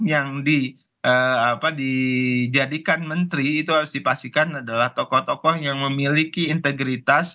yang dijadikan menteri itu harus dipastikan adalah tokoh tokoh yang memiliki integritas